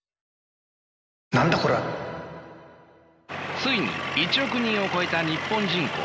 ついに１億人を超えた日本人口。